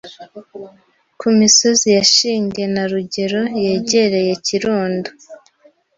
ku misozi ya Shinge na Rugero yegereye Kirundo